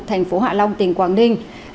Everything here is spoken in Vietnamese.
thành phố hạ long tỉnh quảng ninh